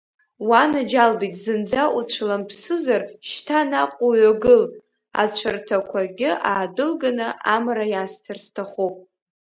Уанаџьалбеит, зынӡа уцәламԥсызар, шьҭа наҟ уҩагыл, ацәарҭақәагьы аадәылганы амра иасҭар сҭахуп!